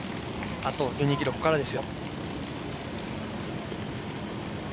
あと１２ｋｍここからです。